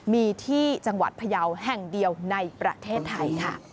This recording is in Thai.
มีที่จังหวัดพยาวแห่งเดียวในประเทศไทยค่ะ